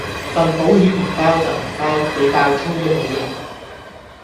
份保險唔包就唔包，你爆粗都冇用